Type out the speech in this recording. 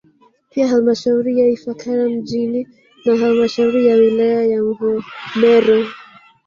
Pia halmashauri ya Ifakara mjini na halmashauri ya wilaya ya Mvomero